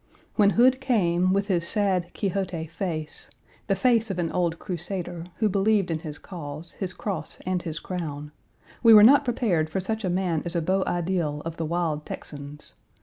When Hood came with his sad Quixote face, the face of an old Crusader, who believed in his cause, his cross, and his crown, we were not prepared for such a man as a beau ideal of the wild Texans.